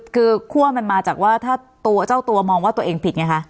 คือคั่วมันมาจากว่าถ้าตัวเจ้าตัวมองว่าตัวเองผิดไงคะ